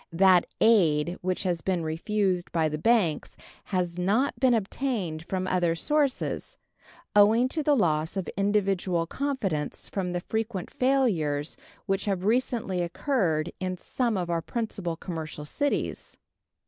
That aid which has been refused by the banks has not been obtained from other sources, owing to the loss of individual confidence from the frequent failures which have recently occurred in some of our principal commercial cities.